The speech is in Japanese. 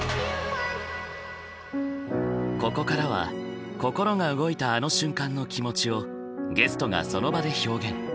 ここからは心が動いたあの瞬間の気持ちをゲストがその場で表現。